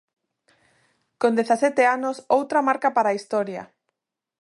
Con dezasete anos, outra marca para a historia.